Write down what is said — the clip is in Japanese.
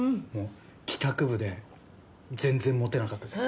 帰宅部で、全然モテなかったぜ。